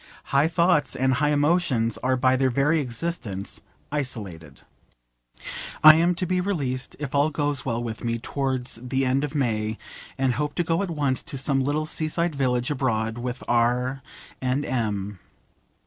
High thoughts and high emotions are by their very existence isolated. I am to be released, if all goes well with me, towards the end of May, and hope to go at once to some little sea side village abroad with R and M